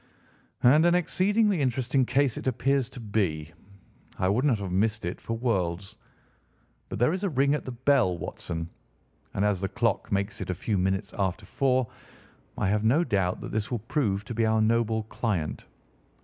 "And an exceedingly interesting case it appears to be. I would not have missed it for worlds. But there is a ring at the bell, Watson, and as the clock makes it a few minutes after four, I have no doubt that this will prove to be our noble client.